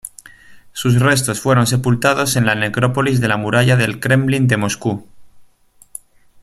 Sus restos fueron sepultados en la Necrópolis de la Muralla del Kremlin de Moscú.